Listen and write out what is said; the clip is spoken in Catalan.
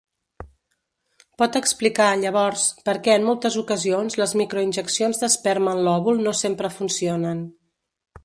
Pot explicar, llavors, perquè en moltes ocasions les microinjeccions d'esperma en l'òvul no sempre funcionen.